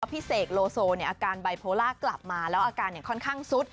พี่เสกโลโซเนี่ยอาการไบโพล่ากลับมาแล้วอาการเนี่ยค่อนข้างซุด